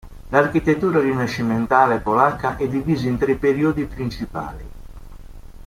L'architettura rinascimentale polacca è divisa in tre periodi principali.